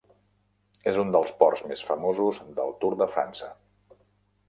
És un dels ports més famosos del Tour de França.